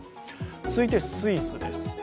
続いてスイスです。